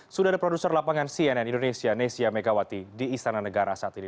sudah ada produser lapangan cnn indonesia nesya megawati di istana negara saat ini